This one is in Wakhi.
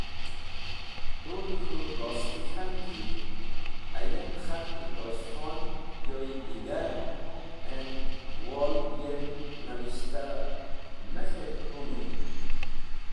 Tu de k̃hũ rosti k̃han ki ayem khat ki Tosh Khon yoy digar and̃ wol yem nivishta me k̃hetk hũmũyd?